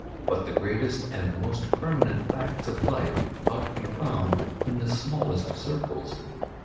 But the greatest and most permanent facts of life are to be found in the smallest circles.